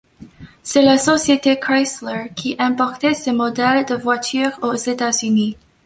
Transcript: C'est la société Chrysler qui importait ces modèles de voiture aux États-Unis.